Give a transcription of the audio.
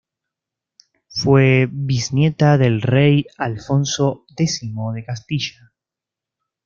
Fue bisnieta del rey Alfonso X de Castilla.